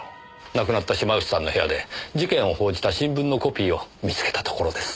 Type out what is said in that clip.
亡くなった島内さんの部屋で事件を報じた新聞のコピーを見つけたところです。